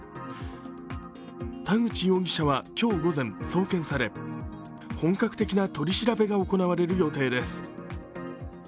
田口容疑者は今日午前送検され本格的な取り調べがおこなわれる予定です。